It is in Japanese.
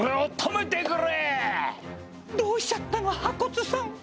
どうしちゃったの、破骨さん。